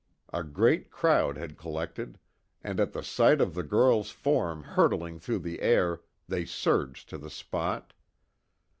A great crowd had collected, and at the sight of the girl's form hurtling through the air, they surged to the spot.